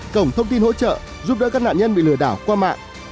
cổng thông tin hỗ trợ giúp đỡ các nạn nhân bị lừa đảo qua mạng